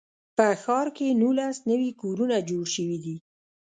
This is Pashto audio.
په ښار کې نولس نوي کورونه جوړ شوي دي.